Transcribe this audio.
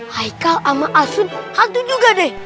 haikal sama asin hantu juga deh